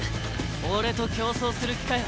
俺と競走する気かよ。